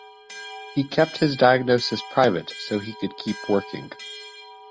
He kept his diagnosis private so he could keep working.